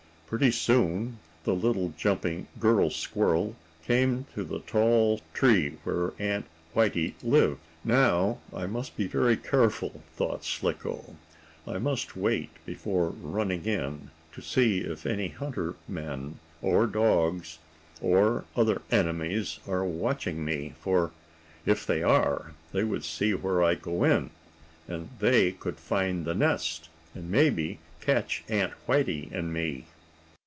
Pretty soon the little jumping girl squirrel came to the tall tree where Aunt Whitey lived. "Now I must be very careful," thought Slicko. "I must wait, before running in, to see if any hunter men, or dogs, or other enemies are watching me. For if they are, they would see where I go in, and they could find the nest, and maybe catch Aunt Whitey and me."